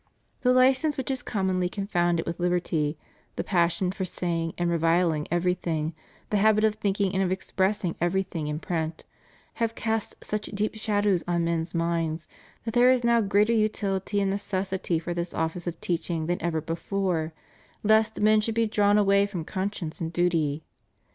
The license which is commonly confounded with liberty; the passion for saying and reviling every thing; the habit of thinking and of expressing everything in print, have cast such deep shadows on men's minds, that there is now greater utility and necessity for this office of teaching than ever before, lest men should be drawn away from conscience and duty.